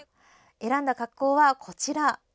選んだ格好はこちら。